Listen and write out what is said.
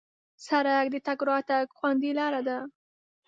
سړک د تګ راتګ خوندي لاره ده.